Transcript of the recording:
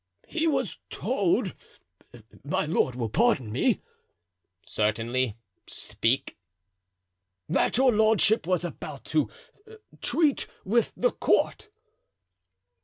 "He was told—my lord will pardon me——" "Certainly, speak." "That your lordship was about to treat with the court."